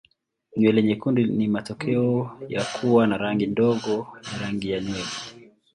Nywele nyekundu ni matokeo ya kuwa na rangi ndogo ya rangi ya nywele.